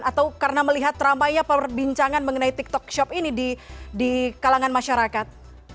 atau karena melihat ramainya perbincangan mengenai tiktok shop ini di kalangan masyarakat